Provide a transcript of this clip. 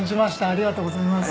ありがとうございます。